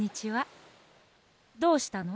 どうしたの？